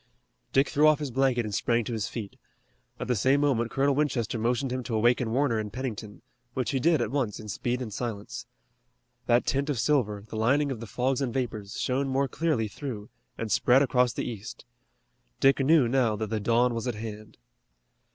Dick threw off his blanket and sprang to his feet. At the same moment Colonel Winchester motioned him to awaken Warner and Pennington, which he did at once in speed and silence. That tint of silver, the lining of the fogs and vapors, shone more clearly through, and spread across the East. Dick knew now that the dawn was at hand.